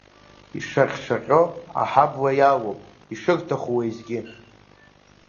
Ишаҟьшаҟьо аҳабла иалоуп ишырҭаху уеизгьы…